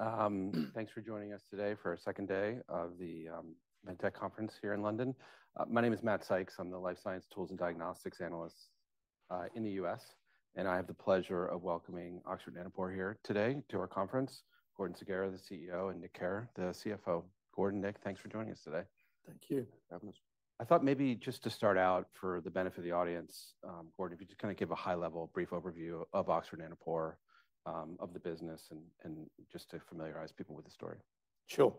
everyone. Thanks for joining us today for our second day of the MedTech Conference here in London. My name is Matt Sykes. I'm the life science tools and diagnostics analyst in the U.S., and I have the pleasure of welcoming Oxford Nanopore here today to our conference. Gordon Sanghera, the CEO, and Nick Keher, the CFO. Gordon, Nick, thanks for joining us today. Thank you. Thanks. I thought maybe just to start out for the benefit of the audience, Gordon, if you just kinda give a high-level, brief overview of Oxford Nanopore, of the business, and just to familiarize people with the story. Sure.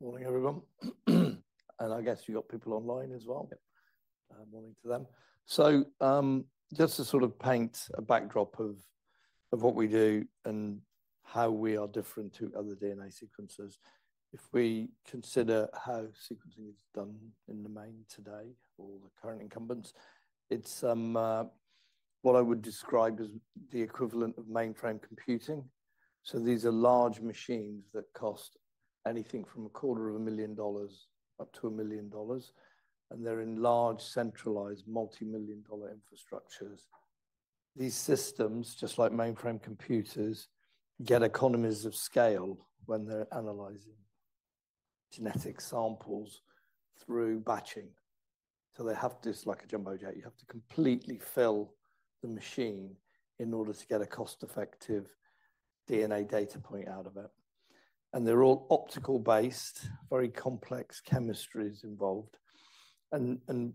Morning, everyone, and I guess you got people online as well. Yep. Morning to them. So just to sort of paint a backdrop of what we do and how we are different to other DNA sequencers. If we consider how sequencing is done in the main today, or the current incumbents, it's what I would describe as the equivalent of mainframe computing. So these are large machines that cost anything from $250,000 up to $1 million, and they're in large, centralized, multi-million dollar infrastructures. These systems, just like mainframe computers, get economies of scale when they're analyzing genetic samples through batching. So they have this, like a jumbo jet, you have to completely fill the machine in order to get a cost-effective DNA data point out of it. And they're all optical-based, very complex chemistries involved.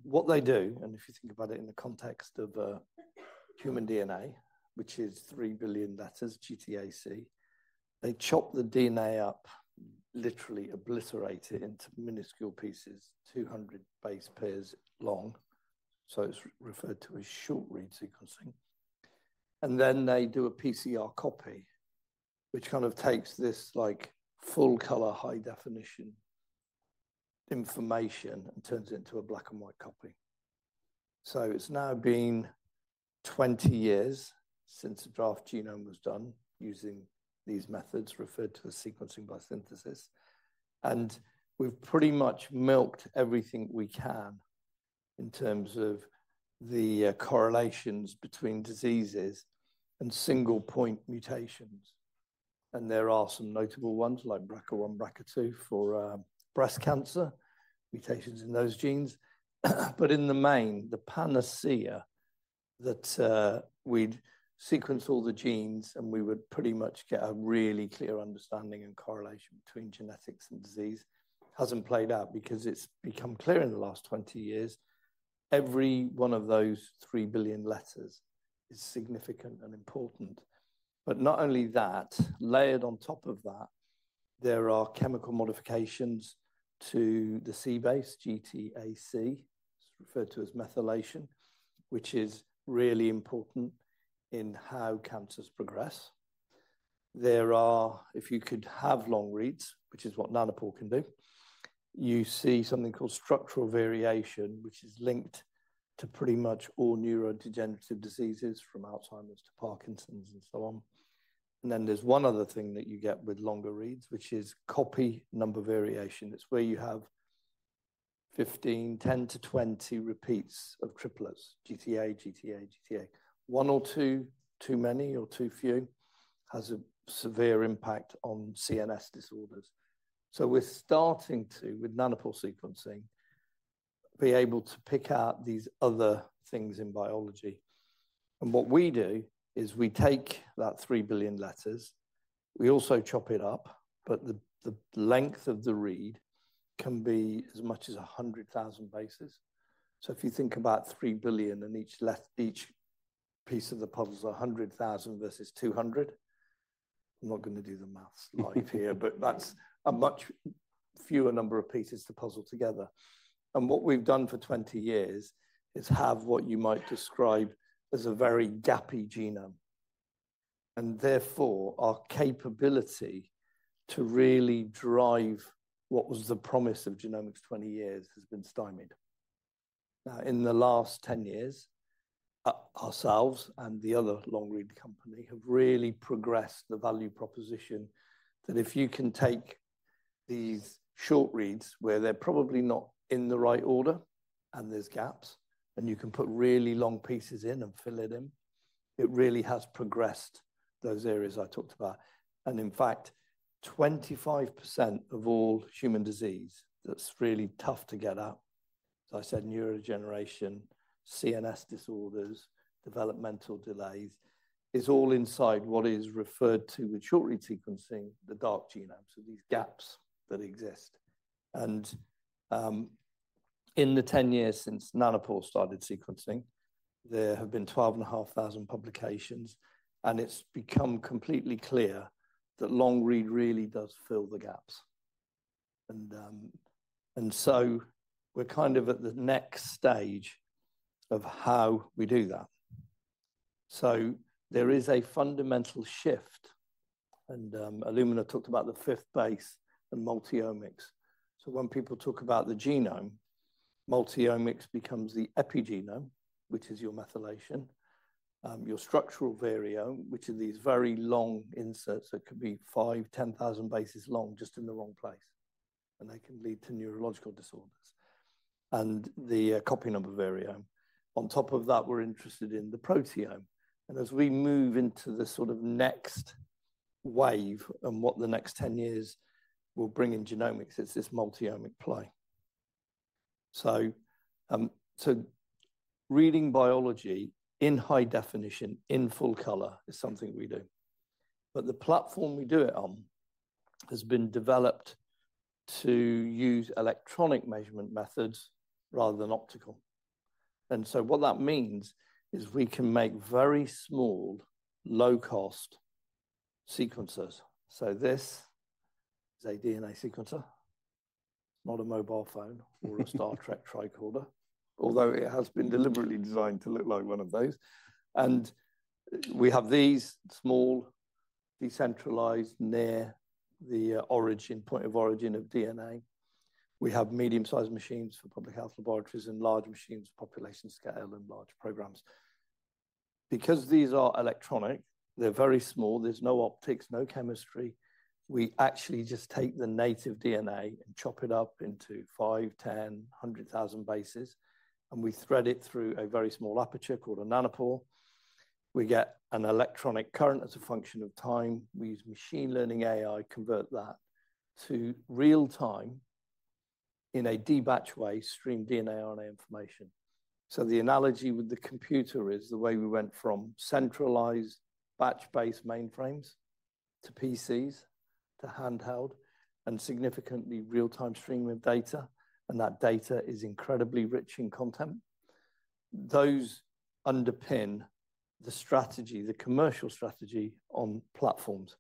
What they do, and if you think about it in the context of human DNA, which is 3 billion letters, GTAC, they chop the DNA up, literally obliterate it into minuscule pieces, 200 base pairs long, so it's referred to as short-read sequencing. And then they do a PCR copy, which kind of takes this, like, full-color, high-definition information and turns it into a black-and-white copy. So it's now been 20 years since the draft genome was done using these methods, referred to as sequencing by synthesis, and we've pretty much milked everything we can in terms of the correlations between diseases and single point mutations. And there are some notable ones, like BRCA1, BRCA2, for breast cancer, mutations in those genes. But in the main, the panacea that we'd sequence all the genes, and we would pretty much get a really clear understanding and correlation between genetics and disease, hasn't played out because it's become clear in the last 20 years, every one of those three billion letters is significant and important. But not only that, layered on top of that, there are chemical modifications to the C base, GTAC. It's referred to as methylation, which is really important in how cancers progress. If you could have long reads, which is what Nanopore can do, you see something called structural variation, which is linked to pretty much all neurodegenerative diseases, from Alzheimer's to Parkinson's and so on. And then there's one other thing that you get with longer reads, which is copy number variation. It's where you have 15, 10-20 repeats of triplets, GTA, GTA, GTA. One or two too many or too few has a severe impact on CNS disorders. So we're starting to, with Nanopore sequencing, be able to pick out these other things in biology. And what we do is we take that three billion letters, we also chop it up, but the length of the read can be as much as a hundred thousand bases. So if you think about three billion, and each piece of the puzzle is a hundred thousand versus two hundred. I'm not gonna do the math live here, but that's a much fewer number of pieces to puzzle together. And what we've done for twenty years is have what you might describe as a very gappy genome, and therefore, our capability to really drive what was the promise of genomics twenty years has been stymied. Now, in the last 10 years, ourselves and the other long-read company have really progressed the value proposition that if you can take these short reads, where they're probably not in the right order and there's gaps, and you can put really long pieces in and fill it in, it really has progressed those areas I talked about. And in fact, 25% of all human disease, that's really tough to get at, as I said, neurodegeneration, CNS disorders, developmental delays, is all inside what is referred to with short-read sequencing, the dark genome, so these gaps that exist. And, in the 10 years since Nanopore started sequencing, there have been 12,500 publications, and it's become completely clear that long-read really does fill the gaps. And so we're kind of at the next stage of how we do that. So there is a fundamental shift, and, Illumina talked about the fifth base and multi-omics. So when people talk about the genome, multi-omics becomes the epigenome, which is your methylation, your structural variome, which are these very long inserts that could be five, 10 thousand bases long, just in the wrong place, and they can lead to neurological disorders, and the copy number variome. On top of that, we're interested in the proteome, and as we move into the sort of next wave and what the next 10 years will bring in genomics, it's this multi-omic play. So reading biology in high definition, in full color is something we do, but the platform we do it on has been developed to use electronic measurement methods rather than optical. And so what that means is we can make very small, low-cost sequencers. This is a DNA sequencer. It's not a mobile phone or a Star Trek tricorder, although it has been deliberately designed to look like one of those. And we have these small, decentralized, near the origin, point of origin of DNA. We have medium-sized machines for public health laboratories and large machines for population scale and large programs. Because these are electronic, they're very small. There's no optics, no chemistry. We actually just take the native DNA and chop it up into five, 10, 100,000 bases, and we thread it through a very small aperture called a nanopore. We get an electronic current as a function of time. We use machine learning AI, convert that to real time in a de-batch way, stream DNA, RNA information. The analogy with the computer is the way we went from centralized batch-based mainframes to PCs, to handheld and significantly real-time streaming of data, and that data is incredibly rich in content. Those underpin the strategy, the commercial strategy on platforms.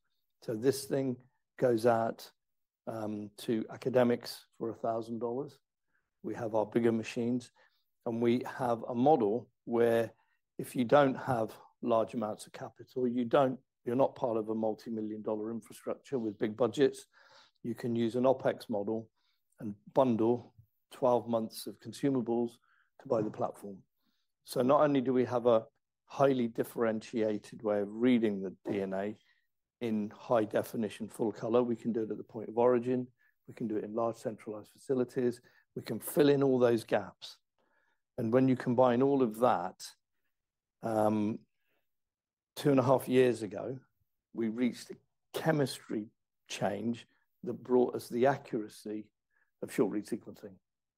This thing goes out to academics for $1,000. We have our bigger machines, and we have a model where if you don't have large amounts of capital, you're not part of a multimillion-dollar infrastructure with big budgets, you can use an OpEx model and bundle 12 months of consumables to buy the platform. Not only do we have a highly differentiated way of reading the DNA in high definition, full color, we can do it at the point of origin, we can do it in large, centralized facilities, we can fill in all those gaps. And when you combine all of that, two and a half years ago, we reached a chemistry change that brought us the accuracy of short-read sequencing.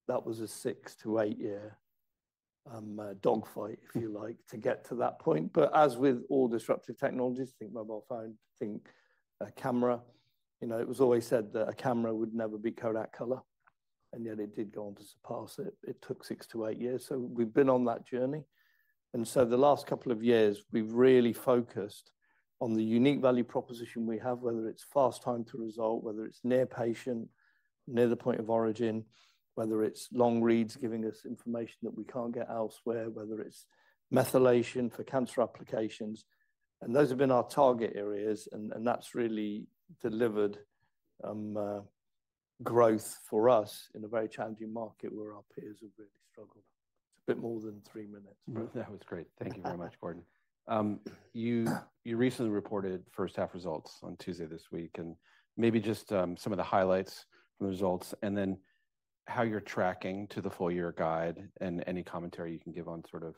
That was a six- to eight-year dogfight, if you like, to get to that point. But as with all disruptive technologies, think mobile phone, think a camera, you know, it was always said that a camera would never be Kodak color, and yet it did go on to surpass it. It took six- to eight years. So we've been on that journey, and so the last couple of years, we've really focused on the unique value proposition we have, whether it's fast time to result, whether it's near patient, near the point of origin, whether it's long reads, giving us information that we can't get elsewhere, whether it's methylation for cancer applications. Those have been our target areas, and that's really delivered growth for us in a very challenging market where our peers have really struggled. It's a bit more than three minutes. That was great. Thank you very much, Gordon. You recently reported first half results on Tuesday this week, and maybe just some of the highlights from the results, and then how you're tracking to the full year guide and any commentary you can give on sort of,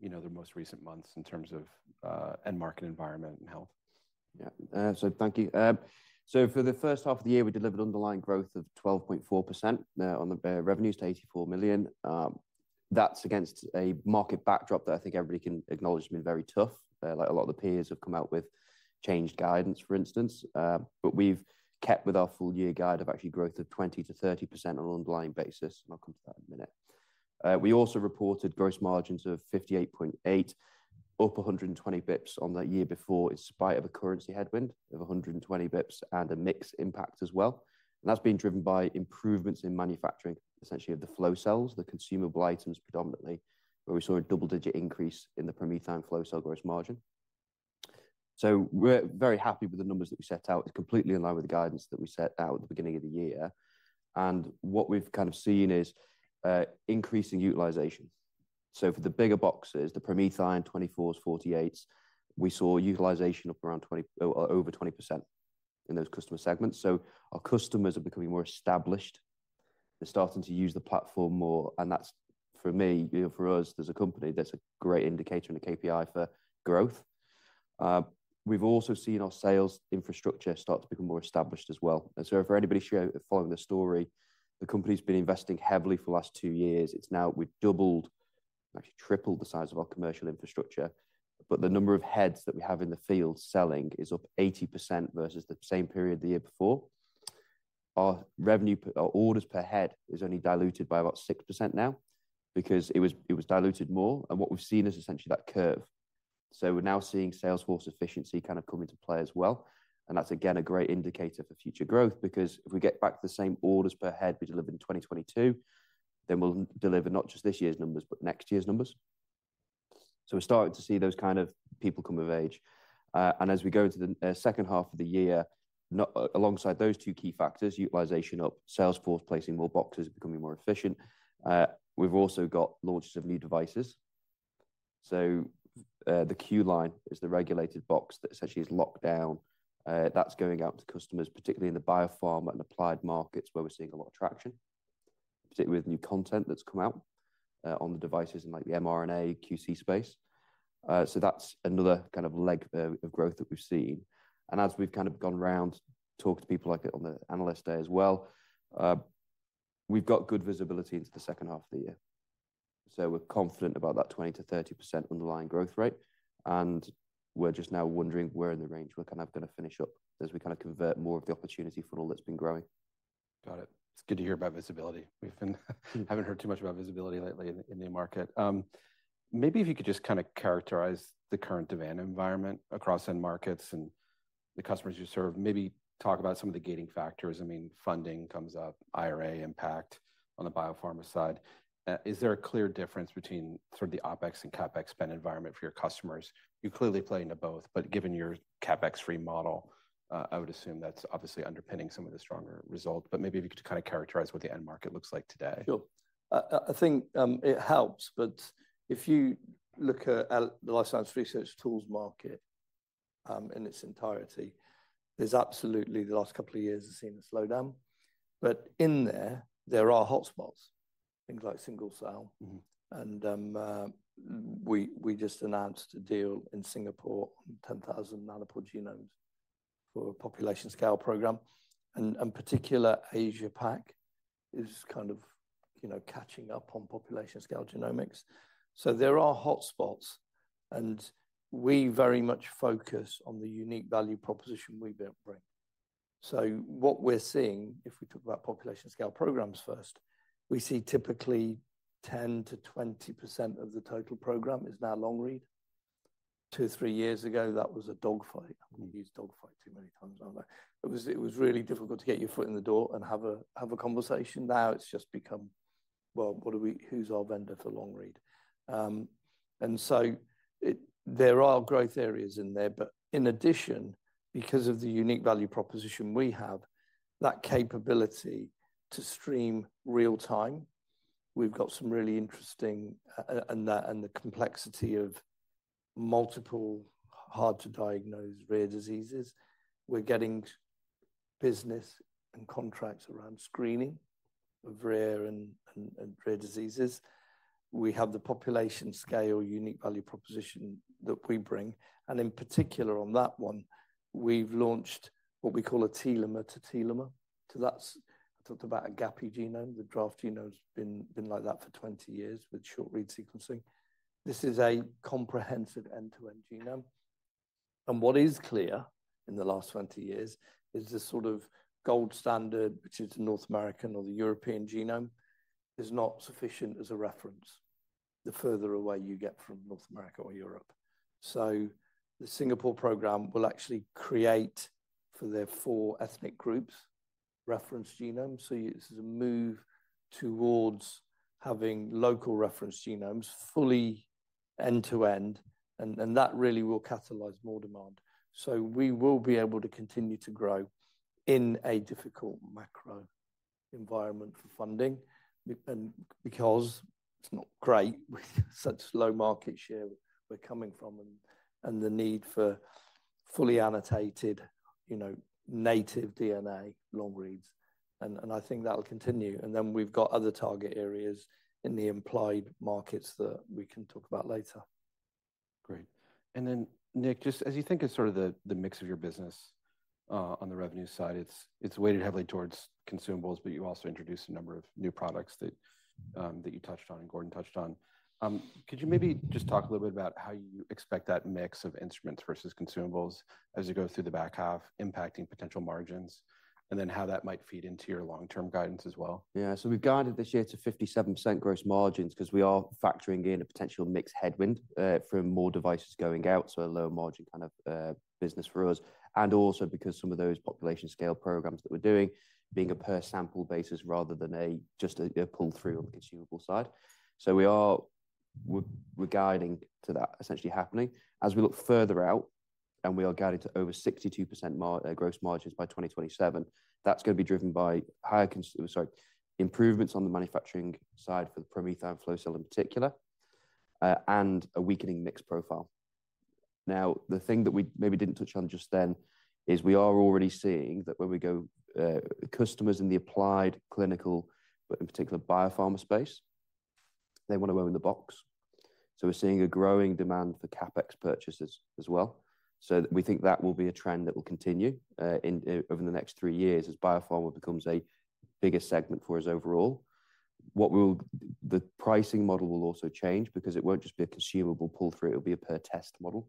you know, the most recent months in terms of end market environment and health. Yeah. So thank you. So for the first half of the year, we delivered underlying growth of 12.4% on the revenues to £84 million. That's against a market backdrop that I think everybody can acknowledge has been very tough. Like a lot of the peers have come out with changed guidance, for instance. But we've kept with our full-year guide of actually growth of 20%-30% on an underlying basis, and I'll come to that in a minute. We also reported gross margins of 58.8%, up 120 basis points on the year before, in spite of a currency headwind of 120 basis points and a mix impact as well. That's been driven by improvements in manufacturing, essentially of the flow cells, the consumable items predominantly, where we saw a double-digit increase in the PromethION flow cell gross margin. So we're very happy with the numbers that we set out. It's completely in line with the guidance that we set out at the beginning of the year, and what we've kind of seen is, increasing utilization. So for the bigger boxes, the PromethION 24s, 48s, we saw utilization up around 20, over 20% in those customer segments. So our customers are becoming more established. They're starting to use the platform more, and that's, for me, you know, for us, as a company, that's a great indicator and a KPI for growth. We've also seen our sales infrastructure start to become more established as well. For anybody following the story, the company's been investing heavily for the last two years. It's now, we've doubled, actually tripled the size of our commercial infrastructure, but the number of heads that we have in the field selling is up 80% versus the same period the year before. Our revenue per... Our orders per head is only diluted by about 6% now because it was diluted more, and what we've seen is essentially that curve. We're now seeing sales force efficiency kind of come into play as well, and that's, again, a great indicator for future growth because if we get back to the same orders per head we delivered in 2022, then we'll deliver not just this year's numbers, but next year's numbers. We're starting to see those kind of people come of age. As we go into the second half of the year, alongside those two key factors, utilization up, sales force placing more boxes, becoming more efficient, we've also got launches of new devices. The Q-Line is the regulated box that essentially is locked down. That's going out to customers, particularly in the biopharma and applied markets, where we're seeing a lot of traction, particularly with new content that's come out on the devices and like the mRNA QC space. So that's another kind of leg of growth that we've seen. As we've kind of gone round to talk to people, like, on the Analyst Day as well, we've got good visibility into the second half of the year. We're confident about that 20%-30% underlying growth rate, and we're just now wondering where in the range we're kind of gonna finish up as we kinda convert more of the opportunity for all that's been growing. Got it. It's good to hear about visibility. We haven't heard too much about visibility lately in the market. Maybe if you could just kinda characterize the current demand environment across end markets and the customers you serve. Maybe talk about some of the gating factors. I mean, funding comes up, IRA impact on the biopharma side. Is there a clear difference between sort of the OpEx and CapEx spend environment for your customers? You clearly play into both, but given your CapEx-free model, I would assume that's obviously underpinning some of the stronger results, but maybe if you could kinda characterize what the end market looks like today. Sure. I think it helps, but if you look at the life science research tools market in its entirety, there's absolutely the last couple of years have seen a slowdown. But in there, there are hotspots, things like single cell. Mm-hmm. We just announced a deal in Singapore, 10,000 nanopore genomes for a population-scale program, and in particular Asia-Pacific is kind of, you know, catching up on population-scale genomics. There are hotspots, and we very much focus on the unique value proposition we bring. What we're seeing, if we talk about population-scale programs first, we see typically 10%-20% of the total program is now long-read. Two, three years ago, that was a dogfight. We use dogfight too many times, aren't we? It was really difficult to get your foot in the door and have a conversation. Now, it's just become, "Well, what do we-- Who's our vendor for long-read?" And so it-- there are growth areas in there, but in addition, because of the unique value proposition we have, that capability to stream real time, we've got some really interesting, and the complexity of multiple hard to diagnose rare diseases. We're getting business and contracts around screening of rare and rare diseases. We have the population scale, unique value proposition that we bring, and in particular on that one, we've launched what we call a Telomere-to-Telomere. So that's-- I talked about a gappy genome. The draft genome's been like that for 20 years with short read sequencing. This is a comprehensive end-to-end genome, and what is clear in the last twenty years is this sort of gold standard, which is the North American or the European genome, is not sufficient as a reference, the further away you get from North America or Europe. So the Singapore program will actually create for their four ethnic groups reference genomes. So this is a move towards having local reference genomes, fully end-to-end, and, and that really will catalyze more demand. So we will be able to continue to grow in a difficult macro environment for funding be, and because it's not great with such low market share we're coming from and, and the need for fully annotated, you know, native DNA long reads, and, and I think that will continue. And then we've got other target areas in the implied markets that we can talk about later. Great. And then, Nick, just as you think of sort of the mix of your business, on the revenue side, it's weighted heavily towards consumables, but you also introduced a number of new products that you touched on and Gordon touched on. Could you maybe just talk a little bit about how you expect that mix of instruments versus consumables as you go through the back half, impacting potential margins, and then how that might feed into your long-term guidance as well? Yeah. So we've guided this year to 57% gross margins 'cause we are factoring in a potential mix headwind from more devices going out, so a lower margin kind of business for us, and also because some of those population scale programs that we're doing being a per sample basis rather than just a pull-through on the consumable side. So we're guiding to that essentially happening. As we look further out, and we are guiding to over 62% gross margins by 2027, that's gonna be driven by higher—sorry, improvements on the manufacturing side for the PromethION flow cell in particular, and a weakening mix profile. Now, the thing that we maybe didn't touch on just then is we are already seeing that when we go, customers in the applied clinical, but in particular, biopharma space, they want to own the box. So we're seeing a growing demand for CapEx purchases as well. So we think that will be a trend that will continue, in over the next three years as biopharma becomes a bigger segment for us overall. The pricing model will also change because it won't just be a consumable pull-through, it'll be a per test model,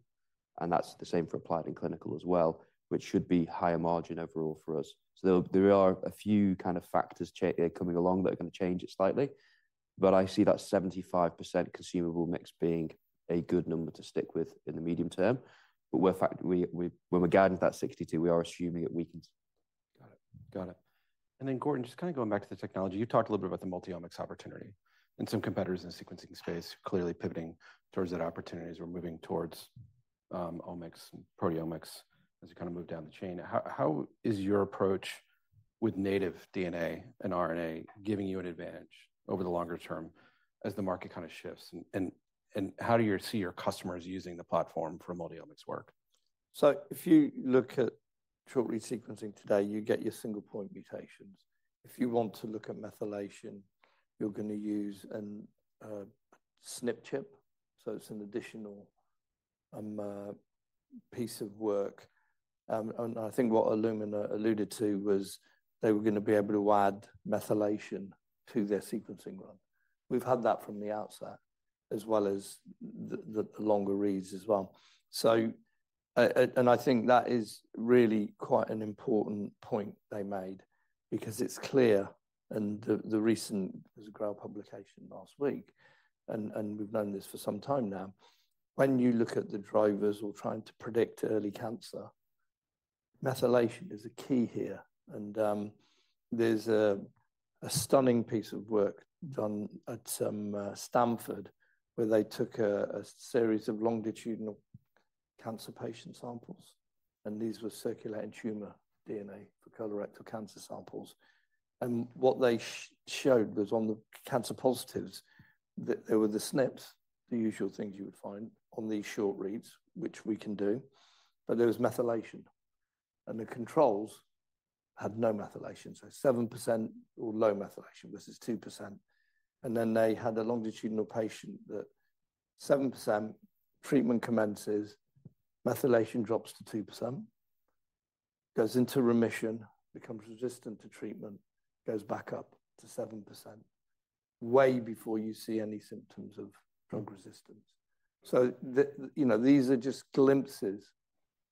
and that's the same for applied and clinical as well, which should be higher margin overall for us. So there are a few kind of factors coming along that are gonna change it slightly, but I see that 75% consumable mix being a good number to stick with in the medium term. But we're, when we're guiding to that 62, we are assuming it weakens. Got it. Got it. And then, Gordon, just kinda going back to the technology. You talked a little bit about the multi-omics opportunity and some competitors in the sequencing space clearly pivoting towards that opportunity as we're moving towards omics and proteomics as you kinda move down the chain. How is your approach with native DNA and RNA giving you an advantage over the longer term as the market kind of shifts? And how do you see your customers using the platform for multi-omics work? If you look at short-read sequencing today, you get your single point mutations. If you want to look at methylation, you're going to use an SNP chip, so it's an additional piece of work. I think what Illumina alluded to was they were going to be able to add methylation to their sequencing run. We've had that from the outset, as well as the longer reads as well. I think that is really quite an important point they made, because it's clear and the recent GRAIL publication last week, and we've known this for some time now, when you look at the drivers or trying to predict early cancer, methylation is a key here. There's a stunning piece of work done at Stanford, where they took a series of longitudinal cancer patient samples, and these were circulating tumor DNA for colorectal cancer samples. What they showed was on the cancer positives, that there were the SNPs, the usual things you would find on these short reads, which we can do, but there was methylation, and the controls had no methylation, so 7% or low methylation versus 2%. Then they had a longitudinal patient that 7% treatment commences, methylation drops to 2%, goes into remission, becomes resistant to treatment, goes back up to 7%, way before you see any symptoms of drug resistance. You know, these are just glimpses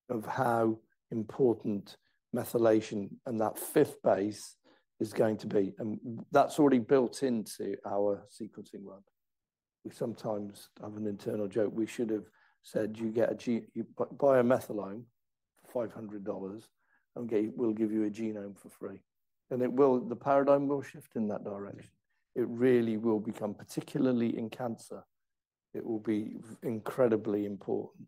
of how important methylation and that fifth base is going to be, and that's already built into our sequencing run. We sometimes have an internal joke. We should have said, "You buy a methylome for $500, and we'll give you a genome for free." And it will. The paradigm will shift in that direction. It really will become, particularly in cancer, it will be incredibly important.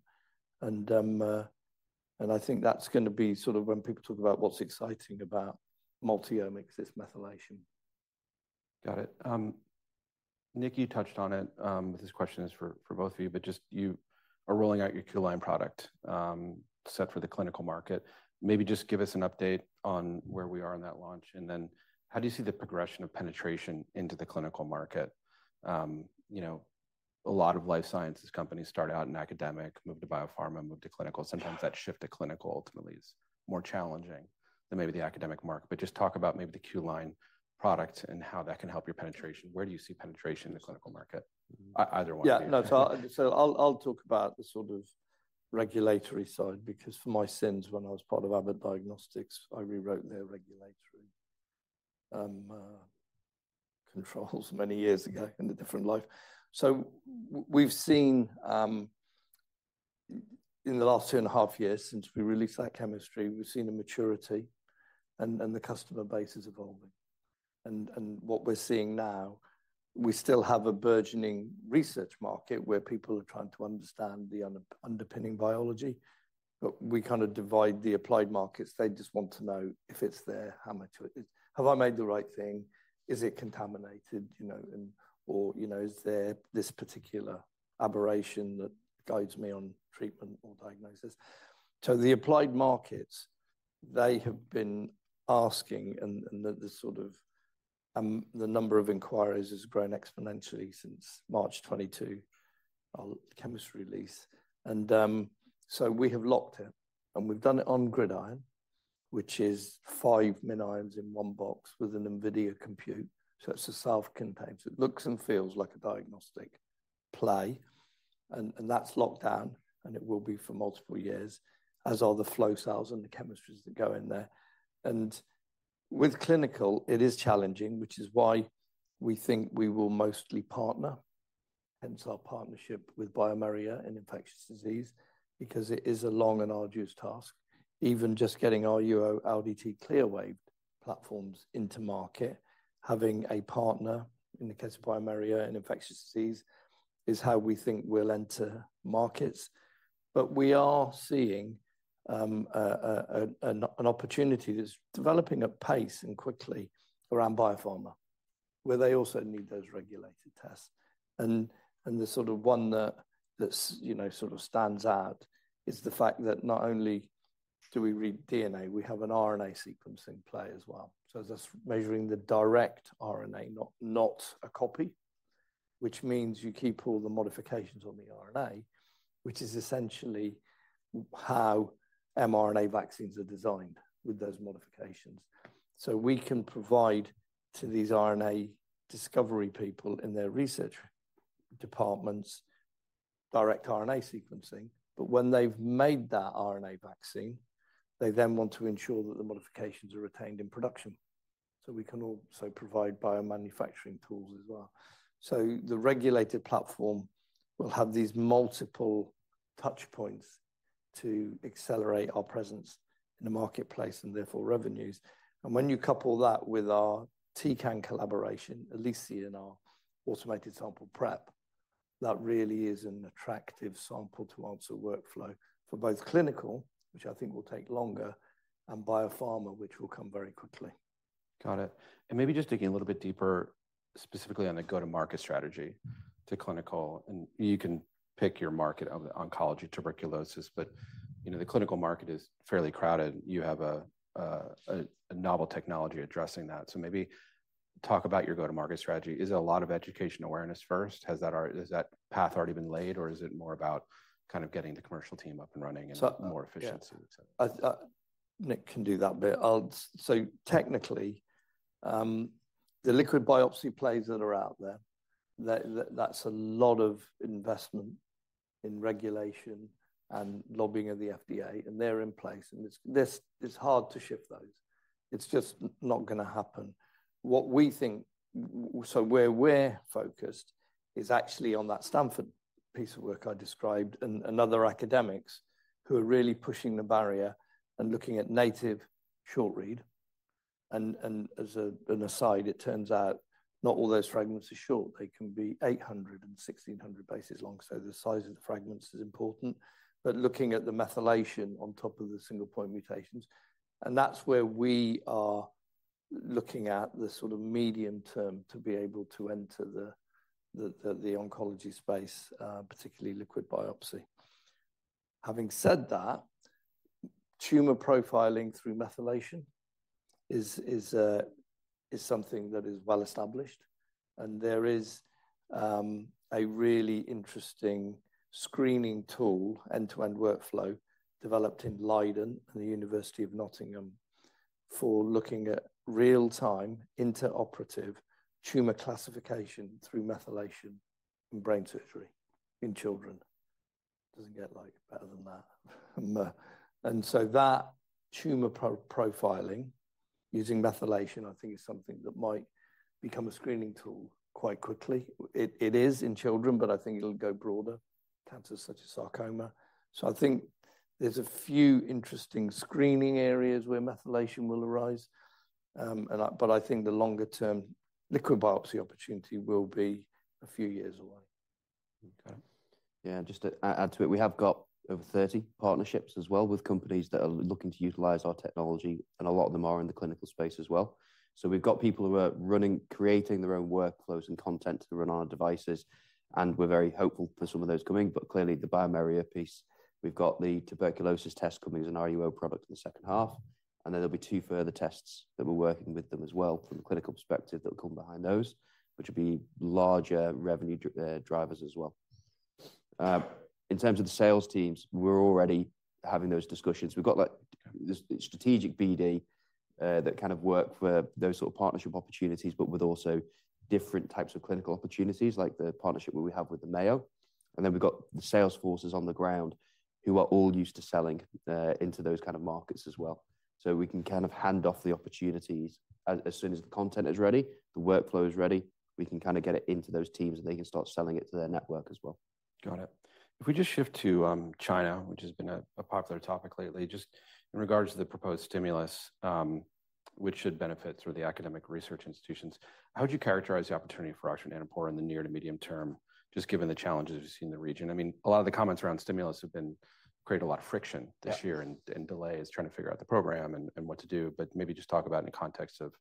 And I think that's going to be sort of when people talk about what's exciting about multi-omics, it's methylation. Got it. Nick, you touched on it, but this question is for both of you, but just you are rolling out your Q-Line product set for the clinical market. Maybe just give us an update on where we are on that launch, and then how do you see the progression of penetration into the clinical market? You know, a lot of life sciences companies start out in academic, move to biopharma, move to clinical. Sometimes that shift to clinical ultimately is more challenging than maybe the academic market. But just talk about maybe the Q-Line product and how that can help your penetration. Where do you see penetration in the clinical market? Either one of you. Yeah. No, so I'll talk about the sort of regulatory side, because for my sins, when I was part of Abbott Diagnostics, I rewrote their regulatory controls many years ago in a different life. So we've seen in the last two and a half years since we released that chemistry, we've seen a maturity and the customer base is evolving. And what we're seeing now, we still have a burgeoning research market where people are trying to understand the underpinning biology, but we divide the applied markets. They just want to know if it's there, how much of it. Have I made the right thing? Is it contaminated, you know, and or, you know, is there this particular aberration that guides me on treatment or diagnosis? The applied markets, they have been asking, and the number of inquiries has grown exponentially since March 2022, our chemistry release. We have locked it, and we've done it on GridION, which is five MinIONs in one box with an NVIDIA compute. It's a self-contained. It looks and feels like a diagnostic play, and that's locked down, and it will be for multiple years, as are the flow cells and the chemistries that go in there. With clinical, it is challenging, which is why we think we will mostly partner, hence our partnership with bioMérieux in infectious disease, because it is a long and arduous task. Even just getting our EU LDT clearance platforms into market, having a partner in the case of bioMérieux in infectious disease, is how we think we'll enter markets. But we are seeing an opportunity that's developing at pace and quickly around biopharma, where they also need those regulated tests. And the sort of one that you know sort of stands out is the fact that not only do we read DNA, we have an RNA sequencing play as well. So just measuring the direct RNA, not a copy, which means you keep all the modifications on the RNA, which is essentially how mRNA vaccines are designed with those modifications. So we can provide to these RNA discovery people in their research departments, direct RNA sequencing, but when they've made that RNA vaccine, they then want to ensure that the modifications are retained in production. So we can also provide biomanufacturing tools as well. The regulated platform will have these multiple touch points to accelerate our presence in the marketplace and therefore, revenues. When you couple that with our Tecan collaboration, ElysION and our automated sample prep that really is an attractive sample-to-answer workflow for both clinical, which I think will take longer, and biopharma, which will come very quickly. Got it. And maybe just digging a little bit deeper, specifically on the go-to-market strategy to clinical, and you can pick your market of oncology, tuberculosis, but, you know, the clinical market is fairly crowded. You have a novel technology addressing that. So maybe talk about your go-to-market strategy. Is it a lot of education awareness first? Has that path already been laid, or is it more about kind of getting the commercial team up and running and more efficiency? So, yeah, I, Nick can do that bit. So technically, the liquid biopsy plays that are out there, that's a lot of investment in regulation and lobbying of the FDA, and they're in place, and it's hard to shift those. It's just not gonna happen. What we think, so where we're focused is actually on that Stanford piece of work I described, and other academics who are really pushing the barrier and looking at native short read. And as an aside, it turns out not all those fragments are short. They can be eight hundred and sixteen hundred bases long, so the size of the fragments is important. But looking at the methylation on top of the single-point mutations, and that's where we are looking at the sort of medium term to be able to enter the oncology space, particularly liquid biopsy. Having said that, tumor profiling through methylation is something that is well established, and there is a really interesting screening tool, end-to-end workflow, developed in Leiden and the University of Nottingham for looking at real-time, intraoperative tumor classification through methylation in brain surgery in children. Doesn't get, like, better than that. And so that tumor profiling using methylation, I think, is something that might become a screening tool quite quickly. It is in children, but I think it'll go broader, cancers such as sarcoma. I think there's a few interesting screening areas where methylation will arise, but I think the longer-term liquid biopsy opportunity will be a few years away. Okay. Yeah, just to add to it, we have got over 30 partnerships as well with companies that are looking to utilize our technology, and a lot of them are in the clinical space as well. So we've got people who are running, creating their own workflows and content to run on our devices, and we're very hopeful for some of those coming. But clearly, the biomarker piece, we've got the tuberculosis test coming as an RUO product in the second half, and then there'll be two further tests that we're working with them as well, from a clinical perspective, that will come behind those, which will be larger revenue drivers as well. In terms of the sales teams, we're already having those discussions. We've got, like, the strategic BD that kind of work for those sort of partnership opportunities, but with also different types of clinical opportunities, like the partnership we have with the Mayo, and then we've got the sales forces on the ground, who are all used to selling into those kind of markets as well, so we can kind of hand off the opportunities as soon as the content is ready, the workflow is ready, we can kinda get it into those teams, and they can start selling it to their network as well. Got it. If we just shift to China, which has been a popular topic lately, just in regards to the proposed stimulus, which should benefit sort of the academic research institutions, how would you characterize the opportunity for Oxford Nanopore in the near to medium term, just given the challenges we've seen in the region? I mean, a lot of the comments around stimulus have been creating a lot of friction- Yeah... this year and delays, trying to figure out the program and what to do, but maybe just talk about it in the context of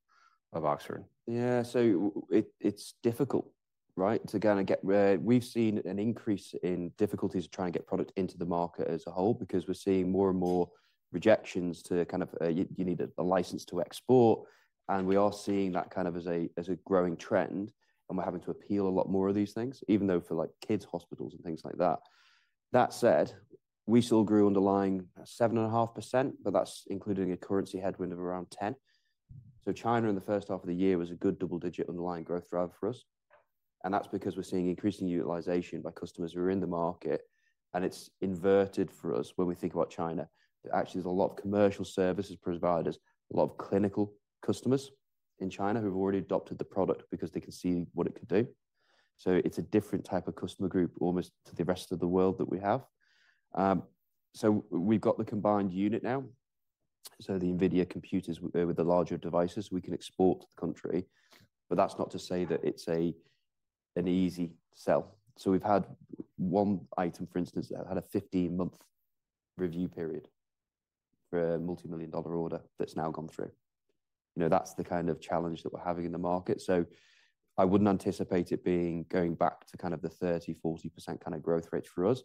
Oxford. Yeah, so it, it's difficult, right? To kinda get where we've seen an increase in difficulties to try and get product into the market as a whole because we're seeing more and more rejections to kind of. You need a license to export, and we are seeing that kind of as a growing trend, and we're having to appeal a lot more of these things, even though for, like, kids' hospitals and things like that. That said, we still grew underlying 7.5%, but that's including a currency headwind of around 10%. So China in the first half of the year was a good double-digit underlying growth driver for us, and that's because we're seeing increasing utilization by customers who are in the market, and it's inverted for us when we think about China. Actually, there's a lot of commercial services providers, a lot of clinical customers in China who've already adopted the product because they can see what it could do. So it's a different type of customer group, almost to the rest of the world that we have. So we've got the combined unit now, so the NVIDIA computers with the larger devices, we can export to the country, but that's not to say that it's an easy sell. So we've had one item, for instance, that had a fifteen-month review period for a multi-million dollar order that's now gone through. You know, that's the kind of challenge that we're having in the market, so I wouldn't anticipate it being, going back to kind of the 30-40% kind of growth rate for us.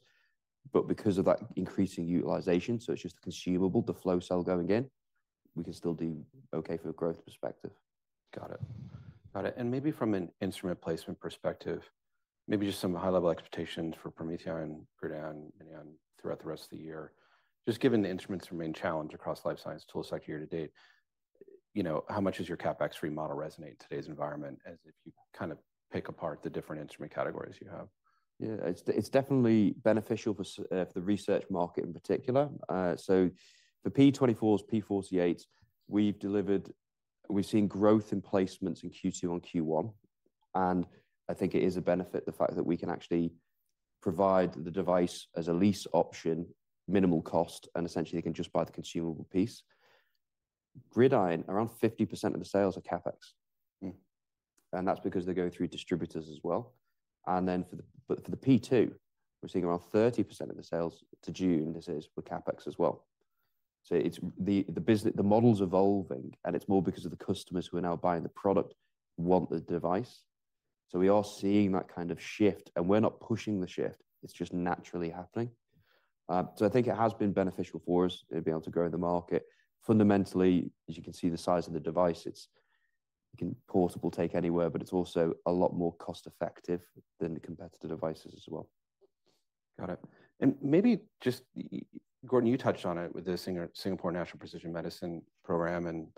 But because of that increasing utilization, so it's just the consumable, the flow cell going in, we can still do okay from a growth perspective. Got it. Got it, and maybe from an instrument placement perspective, maybe just some high-level expectations for PromethION, GridION, MinION throughout the rest of the year. Just given the instruments remain challenge across life science tool sector to date, you know, how much does your CapEx-free model resonate in today's environment as if you kind of pick apart the different instrument categories you have? Yeah, it's definitely beneficial for the research market in particular. So the P24s, P48s, we've seen growth in placements in Q2 on Q1, and I think it is a benefit, the fact that we can actually provide the device as a lease option, minimal cost, and essentially they can just buy the consumable piece. GridION, around 50% of the sales are CapEx. Mm. And that's because they go through distributors as well. And then for the, but for the P2, we're seeing around 30% of the sales to June, this is, were CapEx as well. So it's the model's evolving, and it's more because of the customers who are now buying the product want the device. So we are seeing that kind of shift, and we're not pushing the shift. It's just naturally happening. So I think it has been beneficial for us to be able to grow the market. Fundamentally, as you can see the size of the device, it's you can portable take anywhere, but it's also a lot more cost-effective than the competitor devices as well. Got it. And maybe just, Gordon, you touched on it with the Singapore National Precision Medicine program, and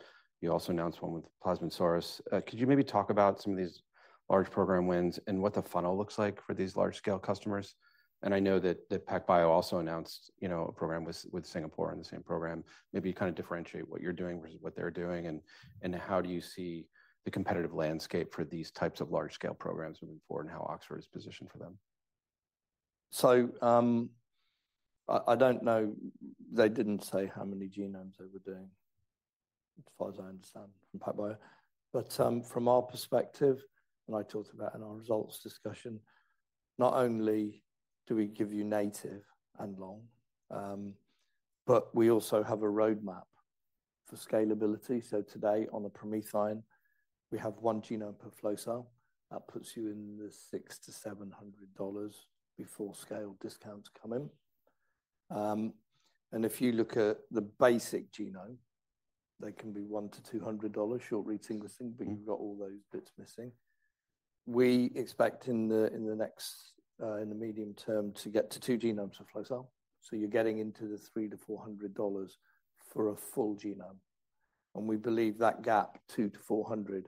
you also announced one with Plasmidsaurus. Could you maybe talk about some of these large program wins and what the funnel looks like for these large-scale customers? And I know that PacBio also announced, you know, a program with Singapore on the same program. Maybe kind of differentiate what you're doing versus what they're doing, and how do you see the competitive landscape for these types of large-scale programs moving forward and how Oxford is positioned for them? So, I don't know. They didn't say how many genomes they were doing, as far as I understand from PacBio. But, from our perspective, and I talked about in our results discussion, not only do we give you native and long, but we also have a roadmap for scalability. So today, on the PromethION, we have one genome per flow cell. That puts you in the $600-$700 before scale discounts come in. And if you look at the basic genome, they can be $100-$200, short-read sequencing- Mm -but you've got all those bits missing. We expect in the, in the next, in the medium term to get to two genomes of flow cell, so you're getting into the $300-$400 for a full genome, and we believe that gap, $200-$400,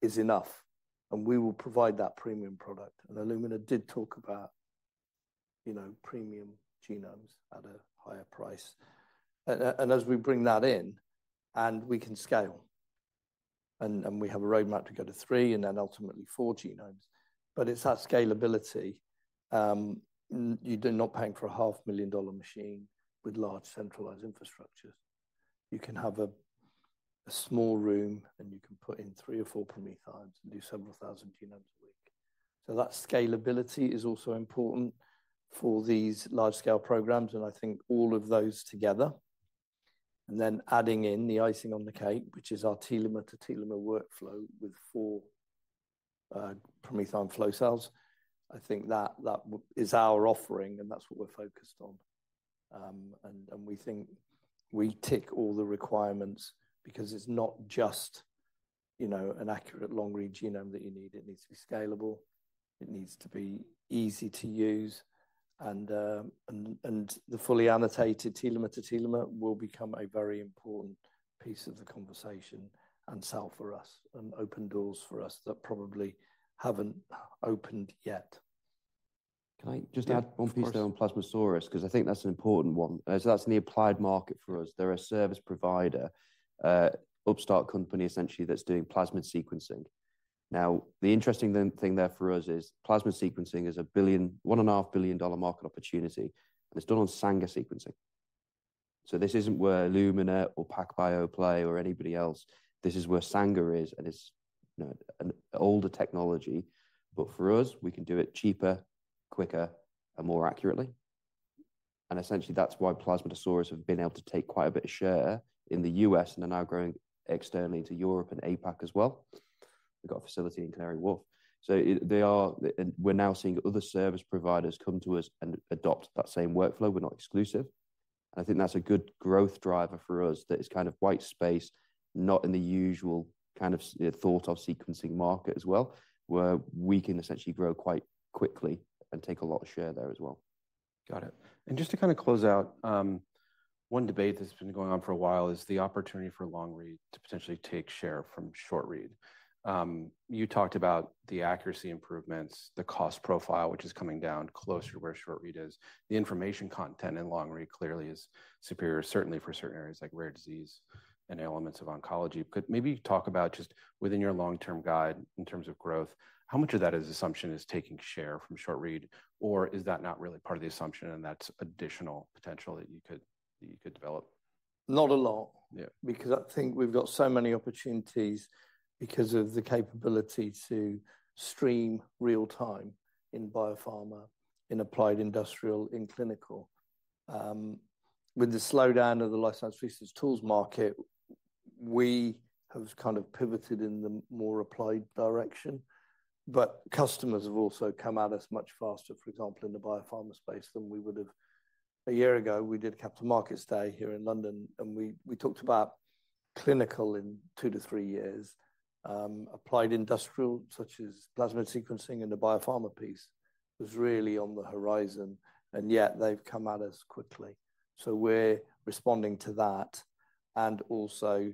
is enough, and we will provide that premium product. And Illumina did talk about, you know, premium genomes at a higher price. And as we bring that in, and we can scale, and, and we have a roadmap to go to three and then ultimately four genomes. But it's that scalability. You're not paying for a $500,000 machine with large, centralized infrastructures. You can have a, a small room, and you can put in three or four PromethION and do several thousand genomes a week. So that scalability is also important for these large-scale programs, and I think all of those together, and then adding in the icing on the cake, which is our Telomere to Telomere workflow with four PromethION flow cells. I think that is our offering, and that's what we're focused on. And we think we tick all the requirements because it's not just, you know, an accurate long-read genome that you need. It needs to be scalable, it needs to be easy to use, and the fully annotated Telomere to Telomere will become a very important piece of the conversation and sell for us and open doors for us that probably haven't opened yet. Can I just add one piece- Yeah, of course. on Plasmidsaurus, 'cause I think that's an important one, as that's in the applied market for us. They're a service provider, upstart company, essentially, that's doing plasmid sequencing. Now, the interesting thing there for us is plasmid sequencing is a $1 billion-$1.5 billion market opportunity, and it's done on Sanger sequencing. So this isn't where Illumina or PacBio play or anybody else. This is where Sanger is, and it's, you know, an older technology. But for us, we can do it cheaper, quicker, and more accurately. And essentially, that's why Plasmidsaurus have been able to take quite a bit of share in the U.S. and are now growing externally to Europe and APAC as well. They've got a facility in Canary Wharf. So they are, and we're now seeing other service providers come to us and adopt that same workflow. We're not exclusive. I think that's a good growth driver for us. That is kind of white space, not in the usual kind of thought of sequencing market as well, where we can essentially grow quite quickly and take a lot of share there as well. Got it. And just to kinda close out, one debate that's been going on for a while is the opportunity for long-read to potentially take share from short-read. You talked about the accuracy improvements, the cost profile, which is coming down closer to where short-read is. The information content in long-read clearly is superior, certainly for certain areas like rare disease and elements of oncology. Could maybe talk about just within your long-term guide in terms of growth, how much of that assumption is taking share from short-read, or is that not really part of the assumption and that's additional potential that you could develop? Not a lot- Yeah... because I think we've got so many opportunities because of the capability to stream real time in biopharma, in applied industrial, in clinical. With the slowdown of the life science research tools market, we have kind of pivoted in the more applied direction, but customers have also come at us much faster, for example, in the biopharma space than we would have. A year ago, we did Capital Markets Day here in London, and we talked about clinical in two to three years. Applied industrial, such as plasmid sequencing and the biopharma piece, was really on the horizon, and yet they've come at us quickly. So we're responding to that, and also,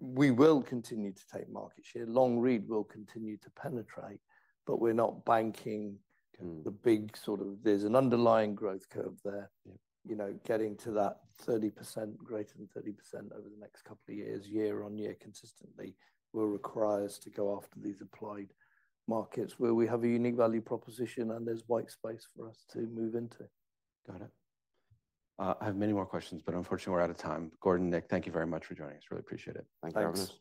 we will continue to take market share. Long-read will continue to penetrate, but we're not banking- Mm There's an underlying growth curve there. Yeah. You know, getting to that 30%, greater than 30% over the next couple of years, year on year, consistently, will require us to go after these applied markets where we have a unique value proposition and there's white space for us to move into. Got it. I have many more questions, but unfortunately, we're out of time. Gordon, Nick, thank you very much for joining us. Really appreciate it. Thank you. Thanks.